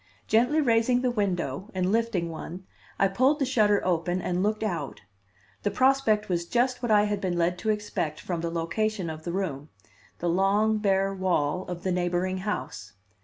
Gently raising the window, and lifting one, I pulled the shutter open and looked out. The prospect was just what I had been led to expect from the location of the room the long, bare wall of the neighboring house.